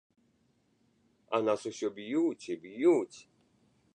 А нас усё б'юць і б'юць!